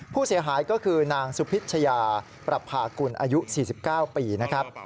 ผู้เสียหายก็คือนางสุพิชยาประพากุลอายุ๔๙ปีนะครับ